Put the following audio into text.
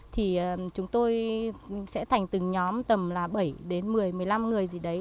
thì chúng tôi sẽ thành từng nhóm tầm là bảy đến một mươi một mươi năm người gì đấy